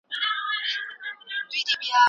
شنې ساحې د سترګو لپاره ښې دي.